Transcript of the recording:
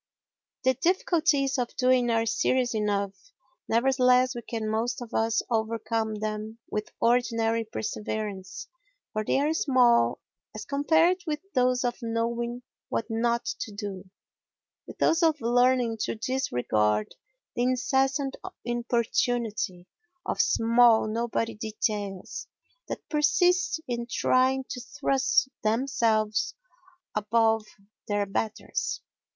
The difficulties of doing are serious enough, nevertheless we can most of us overcome them with ordinary perseverance for they are small as compared with those of knowing what not to do—with those of learning to disregard the incessant importunity of small nobody details that persist in trying to thrust themselves above their betters.